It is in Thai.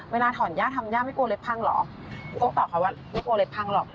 เวลาถอนย่าทำย่าไม่กลัวเล็บพังเหรอก็ตอบเขาว่าไม่กลัวเล็บพังหรอก